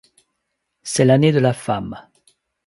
C'est l'année de la femme.